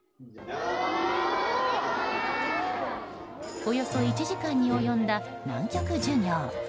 およそ１時間に及んだ南極授業。